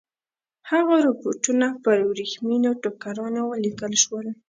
هغه رپوټونه پر ورېښمینو ټوکرانو ولیکل شول.